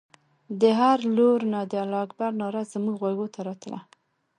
د هرې لور نه د الله اکبر ناره زموږ غوږو ته راتلله.